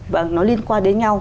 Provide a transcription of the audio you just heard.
và nó liên quan đến nhau